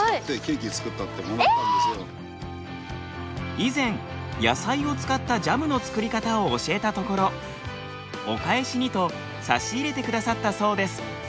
以前野菜を使ったジャムの作り方を教えたところお返しにと差し入れてくださったそうです。